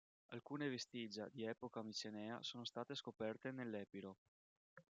Alcune vestigia di epoca micenea sono state scoperte nell'Epiro.